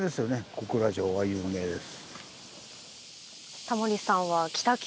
小倉城は有名です。